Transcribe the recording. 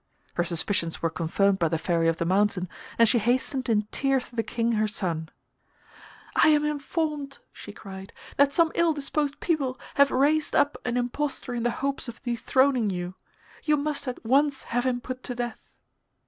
Her suspicions were confirmed by the Fairy of the Mountain, and she hastened in tears to the King, her son. 'I am informed,' she cried, 'that some ill disposed people have raised up an impostor in the hopes of dethroning you. You must at once have him put to death.